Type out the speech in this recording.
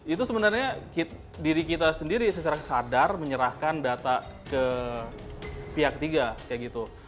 itu sebenarnya diri kita sendiri secara sadar menyerahkan data ke pihak ketiga kayak gitu